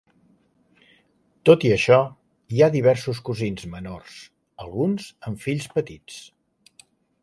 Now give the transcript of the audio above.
Tot i això, hi ha diversos cosins menors, alguns amb fills petits.